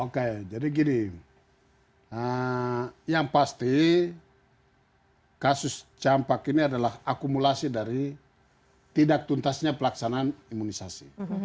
oke jadi gini yang pasti kasus campak ini adalah akumulasi dari tidak tuntasnya pelaksanaan imunisasi